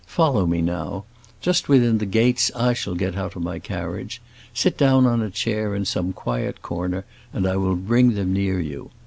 Follow me now; just within the gates I shall get out of my carriage. Sit down on a chair in some quiet corner and I will bring them near you.